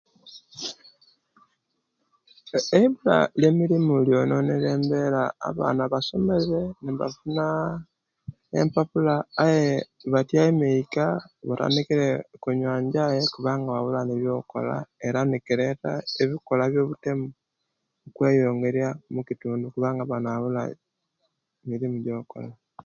Embula lye mulimo lyonenele embeera abaana basomere nebafuna empapula aye batyaime iika batandikire kunywa injaye kubanga wawula byokukola era nekireta ebikolwa byobutemo okweyongerya omukindu kubanga abaana babula mirimu gyo'ukola